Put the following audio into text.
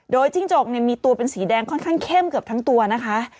โดยจิ้งจกมีตัวเป็นสีแดงค่อนข้างเข้มเกือบทั้งตัวนะคะ